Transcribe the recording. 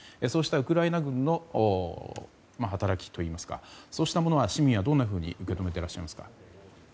そうしたウクライナ軍の働きといいますかそうしたものは市民はどんなふうにみていらっしゃいますか。